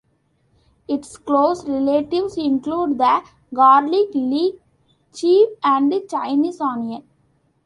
Its close relatives include the garlic, leek, chive, and Chinese onion.